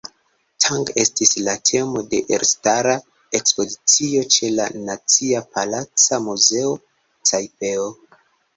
Tang estis la temo de elstara ekspozicio ĉe la Nacia Palaca Muzeo, Tajpeo.